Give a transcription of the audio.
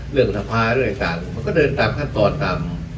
เรื่องทภาพเรื่องอย่างต่างมันก็เดินตามขั้นตอนตาม